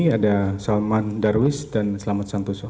ada salman darwis dan selamat santoso